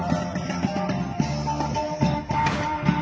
สวัสดีครับทุกคน